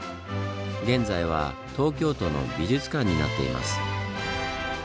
現在は東京都の美術館になっています。